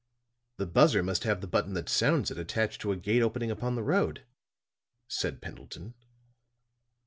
"The buzzer must have the button that sounds it attached to a gate opening upon the road," said Pendleton.